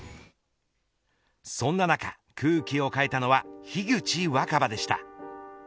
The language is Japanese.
そんな中、空気を変えたのは樋口新葉でした。